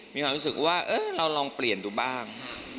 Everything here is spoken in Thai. มีความรู้สึกว่าเราลองเปลี่ยนดูบ้าง